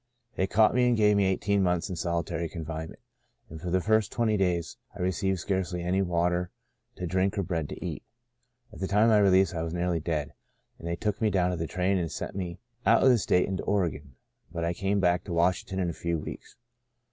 They caught me and gave me eighteen months in solitary confinement, and for the first twenty days I received scarcely any water to drink or bread to eat. At the time of my release I was nearly dead, and they took me down to the train and sent me out of the state into Oregon ; but I came back to Washington in a few weeks.